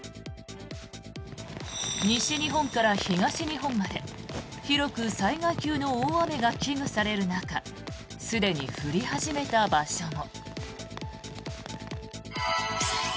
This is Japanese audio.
西日本から東日本まで広く災害級の大雨が危惧される中すでに降り始めた場所も。